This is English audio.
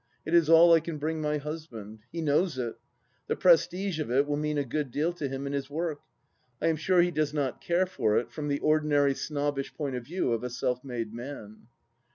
It is all I can bring my husband. He knows it. The prestige of it will mean a good deal to him in his work. I am sure he does not care for it from the ordinary snobbish point of view of a self made man.